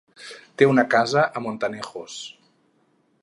Té una casa a Montanejos.